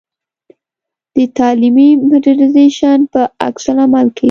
د تعلیمي مډرنیزېشن په عکس العمل کې.